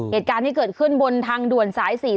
เหตุการณ์ที่เกิดขึ้นบนทางด่วนสาย๔๔